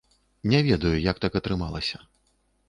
Не ведаю, як так атрымалася.